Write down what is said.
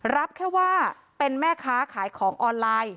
รับแค่ว่าเป็นแม่ค้าขายของออนไลน์